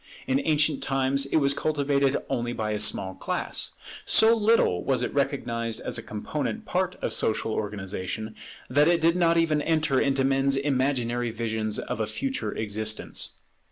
In ancient times it was cultivated only by a small class. So little was it recognized as a component part of social organization, that it did not even enter into men's imaginary visions of a future existence.